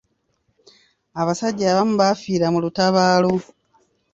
Abasajja abamu baafiira mu lutabaalo.